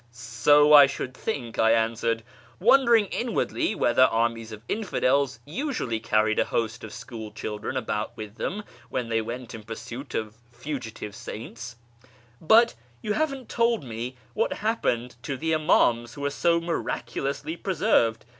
" So I should think," I answered, wondering inwardly whether armies of infidels usually carried a host of school children about with them when they went in pursuit of fugitive saints ;" but you haven't told me what happened to the Imams who were so miraculously preserved.